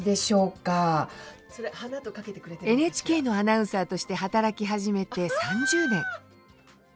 ＮＨＫのアナウンサーとして働き始めて３０年。